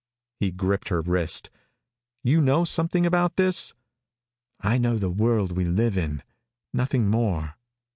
He gripped her wrist. "You know something about this?" "I know the world we live in nothing more."